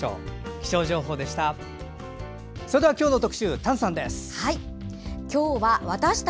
気象情報でした。